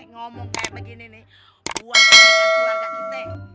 ngomong kayak begini nih buat keluarga kita